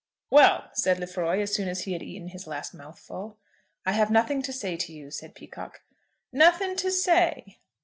"Well!" said Lefroy, as soon as he had eaten his last mouthful. "I have nothing to say to you," said Peacocke. "Nothing to say?"